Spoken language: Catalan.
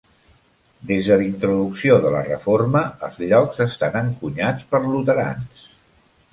Des de la introducció de la reforma, els llocs estan encunyats per luterans.